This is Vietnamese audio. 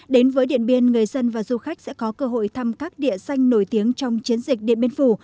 đến với điện biên người dân và du khách sẽ có cơ hội thăm các địa danh nổi tiếng trong chiến dịch điện biên phủ